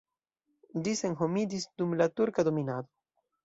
Ĝi senhomiĝis dum la turka dominado.